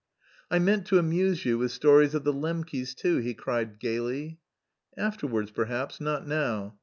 "I meant to amuse you with stories of the Lembkes, too," he cried gaily. "Afterwards, perhaps, not now.